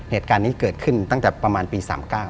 เหตุการณ์นี้เกิดขึ้นตั้งแต่ประมาณปี๓๙